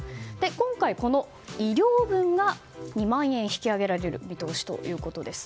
今回、この医療分が２万円引き上げられる見通しということです。